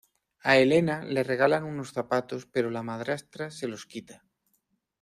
A Elena le regalan unos zapatos pero la madrastra se los quita.